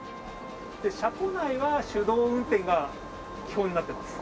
車庫内は手動運転が基本になってます。